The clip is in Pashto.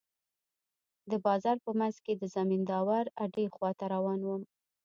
د بازار په منځ کښې د زمينداورو اډې خوا ته روان وم.